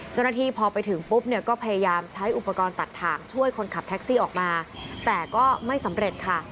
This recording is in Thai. เจ้าหน้าที่พอไปถึงปุ๊บเนี่ยก็พยายามใช้อุปกรณ์ตัดถ่างช่วยคนขับแท็กซี่ออกมาแต่ก็ไม่สำเร็จค่ะ